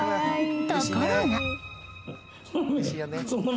ところが。